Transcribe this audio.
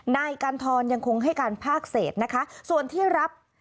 นายกันทรยังคงให้การภาคเศษนะคะส่วนที่รับ